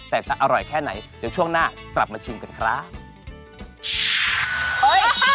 ตามแอฟผู้ชมห้องน้ำด้านนอกกันเลยดีกว่าครับ